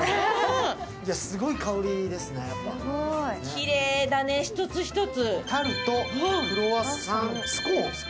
きれいだね、一つ一つ。